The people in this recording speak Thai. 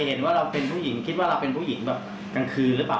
เห็นว่าเราเป็นผู้หญิงคิดว่าเราเป็นผู้หญิงแบบกลางคืนหรือเปล่า